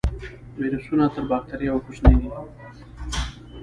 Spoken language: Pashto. ویروسونه تر بکتریاوو کوچني دي